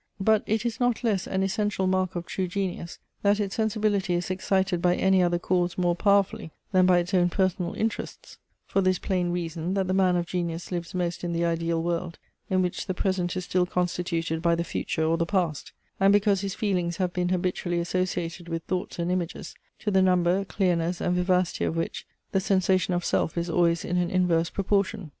But it is not less an essential mark of true genius, that its sensibility is excited by any other cause more powerfully than by its own personal interests; for this plain reason, that the man of genius lives most in the ideal world, in which the present is still constituted by the future or the past; and because his feelings have been habitually associated with thoughts and images, to the number, clearness, and vivacity of which the sensation of self is always in an inverse proportion.